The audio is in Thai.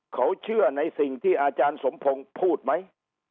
เขาเชื่อในสิ่งที่อาจารย์สมพงศ์พูดไหม